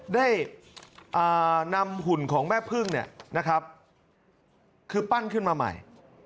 ได้นำหุ่นของแม่พึ่งคือปั้นขึ้นมาใหม่